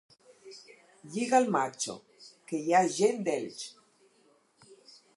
Lliga el matxo, que hi ha gent d'Elx!